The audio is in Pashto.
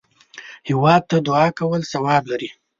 هېواد ته دعا کول ثواب دی